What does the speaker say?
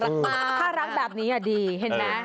ถ้ารักแบบนี้ดีเห็นไหม